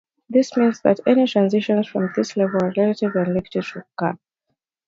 This means that any transitions from this level are relatively unlikely to occur.